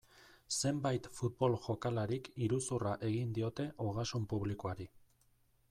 Zenbait futbol jokalarik iruzurra egin diote ogasun publikoari.